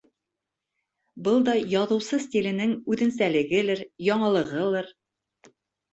Был да яҙыусы стиленең үҙенсәлегелер, яңылығылыр.